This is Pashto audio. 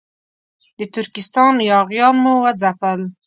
د ترکستان یاغیان مو وځپل.